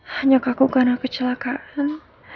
hanya kaku karena kecelakaan